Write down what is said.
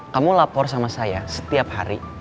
kamu lapor sama saya setiap hari